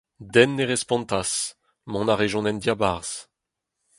Den ne respontas. Mont a rejont en diabarzh.